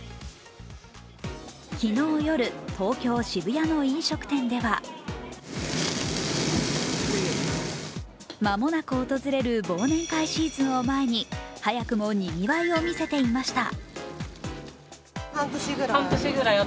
昨日夜、東京・渋谷の飲食店では間もなく訪れる忘年会シーズンを前に早くもにぎわいを見せていました。